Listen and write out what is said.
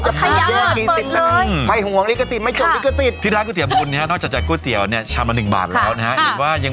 จะปลูกเตี๋ยวกี่สิบแล้วกัน